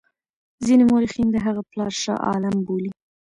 ځیني مورخین د هغه پلار شاه عالم بولي.